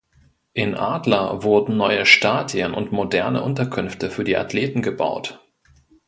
In Adler wurden neue Stadien und moderne Unterkünfte für die Athleten gebaut.